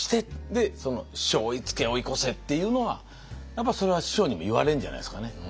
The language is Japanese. でその師匠追いつけ追い越せっていうのはやっぱそれは師匠にも言われるんじゃないですかね。